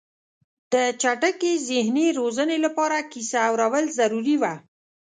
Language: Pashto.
د چټکې ذهني روزنې لپاره کیسه اورول ضروري وه.